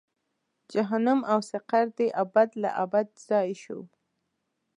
جهنم او سقر دې ابد لا ابد ځای شو.